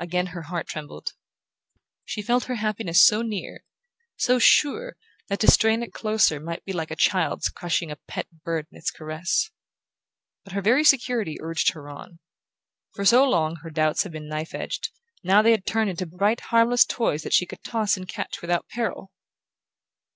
Again her heart trembled. She felt her happiness so near, so sure, that to strain it closer might be like a child's crushing a pet bird in its caress. But her very security urged her on. For so long her doubts had been knife edged: now they had turned into bright harmless toys that she could toss and catch without peril!